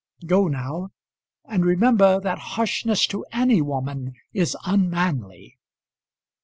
Go now, and remember that harshness to any woman is unmanly."